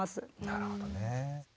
なるほどねえ。